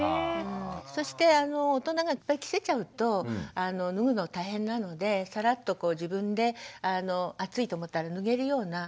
そして大人がいっぱい着せちゃうと脱ぐのが大変なのでサラッと自分で暑いと思ったら脱げるような。